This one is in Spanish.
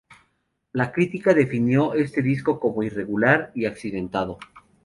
La crítica definió este disco como "irregular y accidentado".